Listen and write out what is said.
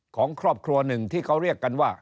ของครอบครัวหนึ่งที่เขาเรียกกันว่า